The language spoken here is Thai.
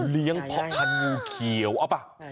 เลี้ยงพันงูเขียวเอาเปล่า